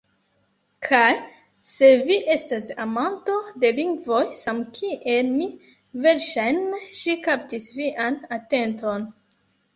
Kaj se vi estas amanto de lingvoj samkiel mi verŝajne ĝi kaptis vian atenton